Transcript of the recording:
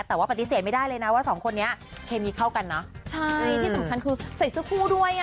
แต่ว่าปฏิเสธไม่ได้เลยนะว่าสองคนนี้เคมีเข้ากันเนอะใช่ที่สำคัญคือใส่เสื้อคู่ด้วยอ่ะ